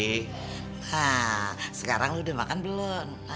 nah sekarang udah makan belum